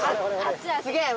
すげえ！